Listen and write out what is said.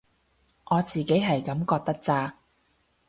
我自己係噉覺得咋